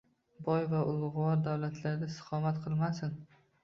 Boy va ulugʻvor davlatlarda istiqomat qilmasin